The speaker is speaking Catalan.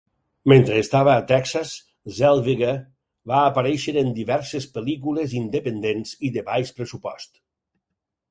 Mentre estava a Texas, Zellweger va aparèixer en diverses pel·lícules independents i de baix pressupost.